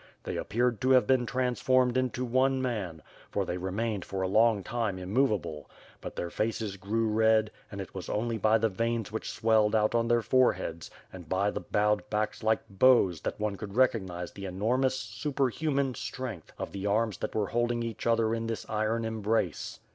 They ap peared to have been transformed into one man, for they re mained for a long time immovable; but their faces grew red and it was only by the veins which swelled out on their fore heads and by the bowed backs like bows that one could recog nize the enormous, superhuman strength of the arms that were holding each other in this iron embrace.